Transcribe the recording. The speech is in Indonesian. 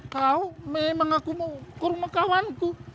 kau memang aku mau ke rumah kawanku